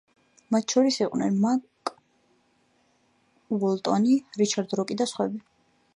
მათ შორის იყვნენ მარკ უოლტონი, რიჩარდ როკი და სხვები.